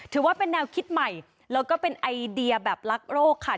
ถือว่าเป็นแนวคิดใหม่แล้วก็เป็นไอเดียแบบรักโรคค่ะ